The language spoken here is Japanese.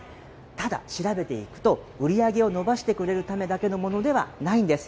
ただ調べていくと、売り上げを伸ばしてくれるためだけのものではないんです。